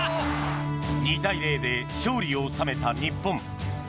２対０で勝利を収めた日本。